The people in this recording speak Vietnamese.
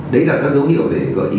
đấy là các dấu hiệu để gợi ý